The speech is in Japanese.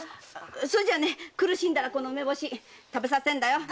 それじゃ苦しんだらこの梅干しを食べさせるんだよ！